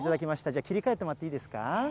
じゃあ、切りかえてもらっていいですか。